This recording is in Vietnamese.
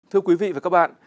thưa quý vị và các bạn